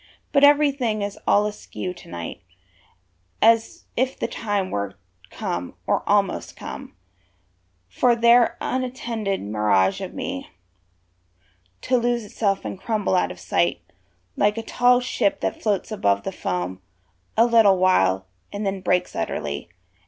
But everything is all askew to night, As if the time were come, or almost come, For their untenanted mirage of me To lose itself and crumble out of sight, Like a tall ship that floats above the foam A little while, and then breaks utterly.